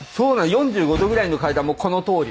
４５度ぐらいの階段もこのとおり。